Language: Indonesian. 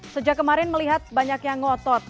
sejak kemarin melihat banyak yang ngotot